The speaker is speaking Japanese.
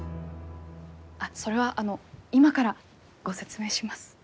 あっそれはあの今からご説明します。